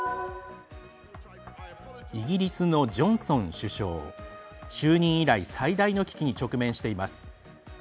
イギリスのジョンソン首相就任以来最大の危機に直面しています。